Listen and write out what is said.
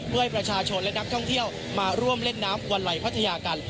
เพื่อให้ประชาชนและนักท่องเที่ยวมาร่วมเล่นน้ำวันไหลพัทยากัน